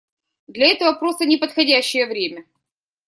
Для этого просто не подходящее время.